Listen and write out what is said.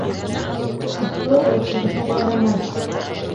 Ҡапыл әйтергә ярамай.